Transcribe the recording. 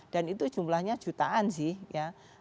dan itu jumlahnya jutaan sih ya